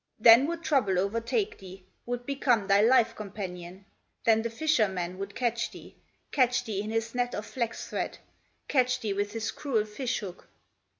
Then would trouble overtake thee, Would become thy life companion; Then the fisherman would catch thee, Catch thee in his net of flax thread, Catch thee with his cruel fish hook.